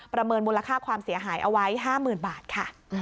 เมินมูลค่าความเสียหายเอาไว้๕๐๐๐บาทค่ะ